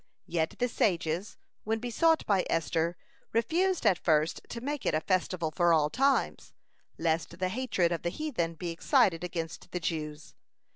Yet the sages, when besought by Esther, refused at first to make it a festival for all times, lest the hatred of the heathen be excited against the Jews.